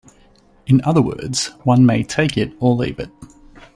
In other words, one may "take it or leave it".